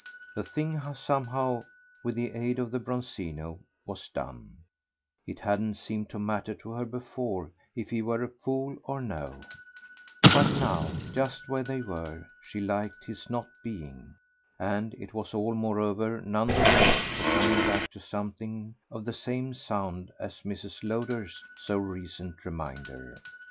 The thing somehow, with the aid of the Bronzino, was done; it hadn't seemed to matter to her before if he were a fool or no; but now, just where they were, she liked his not being; and it was all moreover none the worse for coming back to something of the same sound as Mrs. Lowder's so recent reminder.